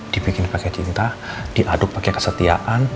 dibikin pake cinta diaduk pake kesetiaan